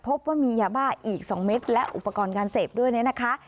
พบว่ามียาบ้าอีกสองเมตรและอุปกรณ์การเสพด้วยนะคะ